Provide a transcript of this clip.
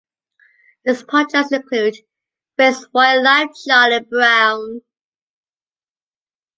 His projects include "Race for your life, Charlie Brown".